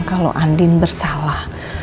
kalau andin bersalah